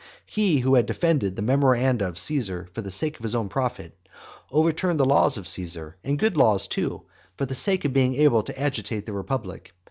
He who had defended the memoranda of Caesar for the sake of his own profit, overturned the laws of Caesar and good laws too for the sake of being able to agitate the republic.